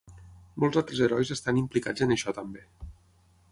Molts altres herois estan implicats en això també.